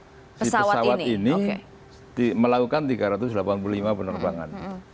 di pesawat ini melakukan tiga ratus delapan puluh lima penerbangan